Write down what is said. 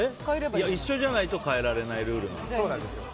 一緒じゃないと変えられないルールです。